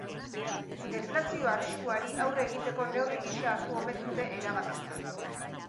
Deflazio arriskuari aurre egiteko neurri gisa hartu omen dute erabakia.